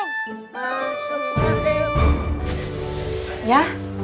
ayah kan masih sakit ya